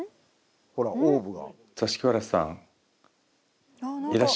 ほらオーブが。